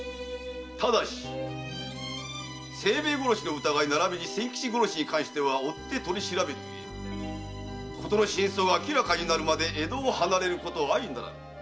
ただし清兵衛殺しの疑い並びに仙吉殺しにかんしては追って取り調べるゆえにことの真相が明らかになるまで江戸を離れることあいならぬ。